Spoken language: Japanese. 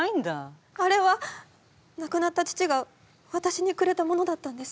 あれはなくなった父がわたしにくれたものだったんです。